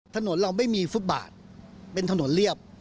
ถนนเราไม่มีฟุตบาทเป็นถนนเรียบ